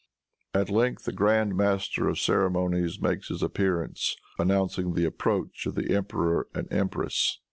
At length the grand master of ceremonies makes his appearance announcing the approach of the emperor and empress.